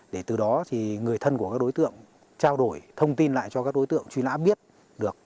để từ đó thì người thân của các đối tượng trao đổi thông tin lại cho các đối tượng truy nã biết được